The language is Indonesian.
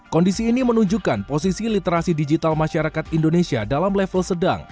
kondisi ini menunjukkan posisi literasi digital masyarakat indonesia dalam level sedang